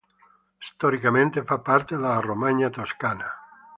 Storicamente fa parte della Romagna toscana.